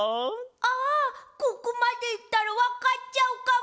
あここまでいったらわかっちゃうかも。